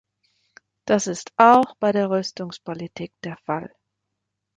Das ist auch bei der Rüstungspolitik der Fall.